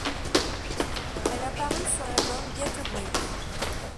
Elle a paru sur l'album Get a Grip.